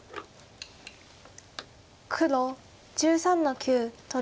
黒１３の九取り。